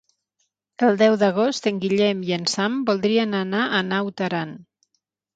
El deu d'agost en Guillem i en Sam voldrien anar a Naut Aran.